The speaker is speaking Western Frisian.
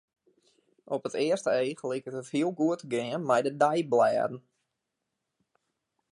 Op it earste each liket it hiel goed te gean mei de deiblêden.